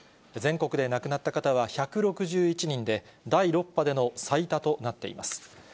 全国で亡くなった方は１６１人で、第６波での最多となっています。